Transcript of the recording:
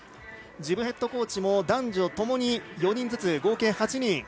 ジブヘッドコーチも男女ともに４人ずつ合計８人。